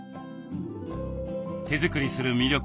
手作りする魅力